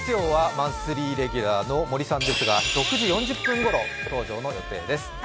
マンスリーレギュラーの森さんですが、６時４０分ごろの出演です。